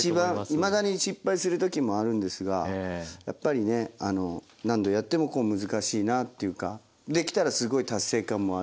いまだに失敗する時もあるんですがやっぱりね何度やっても難しいなっていうかできたらすごい達成感もあるし